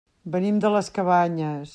Venim de les Cabanyes.